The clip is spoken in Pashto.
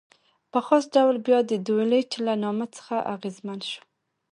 په خاص ډول بیا د دولچ له نامه څخه اغېزمن شو.